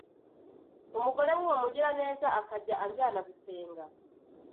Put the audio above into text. Umugore w’uwo mugiraneza akajya anjyana gusenga